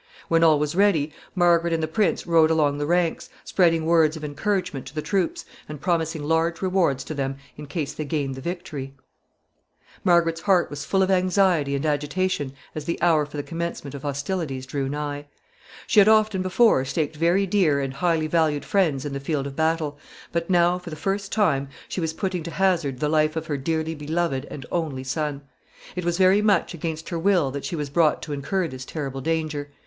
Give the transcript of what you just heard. When all was ready, Margaret and the prince rode along the ranks, speaking words of encouragement to the troops, and promising large rewards to them in case they gained the victory. [Illustration: Tewkesbury.] [Sidenote: Margaret's maternal anxiety.] Margaret's heart was full of anxiety and agitation as the hour for the commencement of hostilities drew nigh. She had often before staked very dear and highly valued friends in the field of battle, but now, for the first time, she was putting to hazard the life of her dearly beloved and only son. It was very much against her will that she was brought to incur this terrible danger.